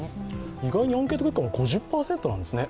意外にアンケート結果も５０％なんですよね。